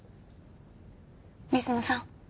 水野さん。